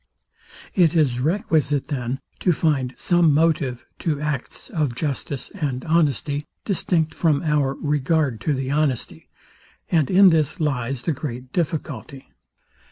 It is requisite, then, to find some motive to acts of justice and honesty, distinct from our regard to the honesty; and in this lies the great difficulty.